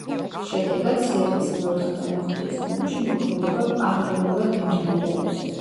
შედეგად სერიის მეოთხე და მეხუთე წიგნებში მოქმედება პარალელურად მიმდინარეობს.